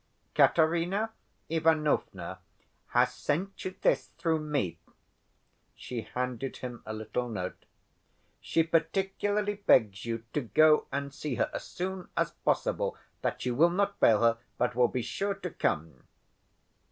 "Katerina Ivanovna has sent you this through me." She handed him a little note. "She particularly begs you to go and see her as soon as possible; that you will not fail her, but will be sure to come."